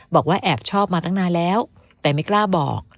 บอกว่าแอบชอบมาตั้งนานแล้วแต่ไม่กล้าบอก